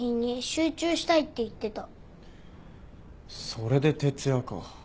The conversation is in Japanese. それで徹夜か。